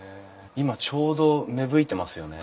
今ちょうど芽吹いてますよね。